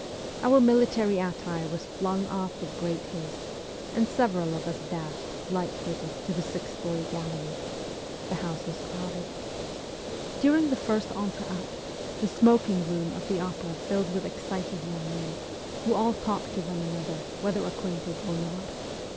Our military attire was flung off with great haste, and several of us dashed, lightfooted, to the sixth story gallery. The house was crowded. During the first entr'acte the smoking room of the opera filled with excited young men, who all talked to one another, whether acquainted or not.